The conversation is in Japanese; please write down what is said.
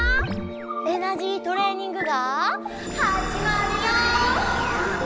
エナジートレーニングがはじまるよ！